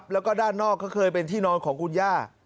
แล้วก็ด้านนอกก็เคยเป็นที่นอนของคุณย่า